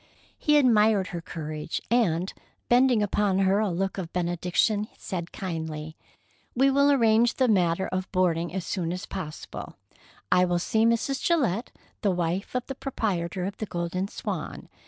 He admired her courage, and, bending upon her a look of benediction, said kindly: "We will arrange the matter of boarding as soon as possible. I will see Mrs. Gillette, the wife of the proprietor of the Golden Swan.